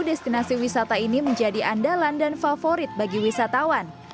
destinasi wisata ini menjadi andalan dan favorit bagi wisatawan